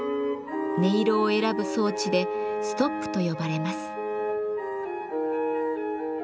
音色を選ぶ装置で「ストップ」と呼ばれます。